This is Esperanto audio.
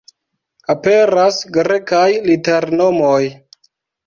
Aperas Grekaj liternomoj.